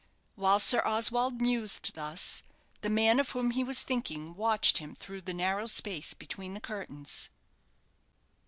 While Sir Oswald mused thus, the man of whom he was thinking watched him through the narrow space between the curtains.